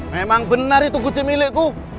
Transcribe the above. memang benar itu kucing milikku